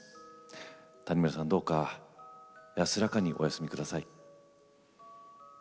谷村さんどうか安らかにお休みください。